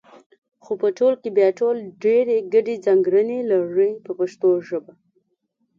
خو په ټول کې بیا ټول ډېرې ګډې ځانګړنې لري په پښتو ژبه.